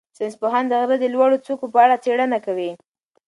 ساینس پوهان د غره د لوړو څوکو په اړه څېړنه کوي.